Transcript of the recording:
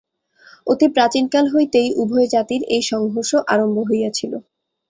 অতি প্রাচীনকাল হইতেই উভয় জাতির এই সংঘর্ষ আরম্ভ হইয়াছিল।